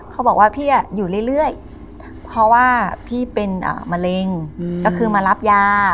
เขาบอกว่าพี่อยู่เรื่อยเพราะว่าพี่เป็นมะเร็งก็คือมารับยา